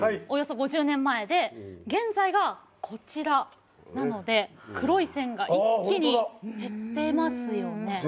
およそ５０年前で現在がこちらなので黒い線が一気に減ってますよね。